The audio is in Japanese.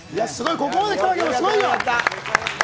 ここまで来ただけでもすごいよ。